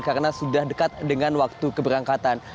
karena sudah dekat dengan waktu keberangkatan